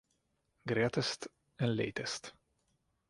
Greatest and Latest